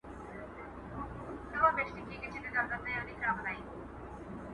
• دله غل د کور مالت نه غلا کوي -